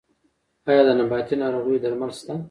آیا د نباتي ناروغیو درمل شته؟